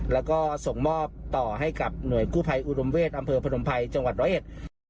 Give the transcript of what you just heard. แล้วก็ส่งมอบต่อให้กับหน่วยกู้ภัยอุดมเวศอำเภอพนมภัยจังหวัดร้อยเอ็ด